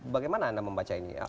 bagaimana anda membaca ini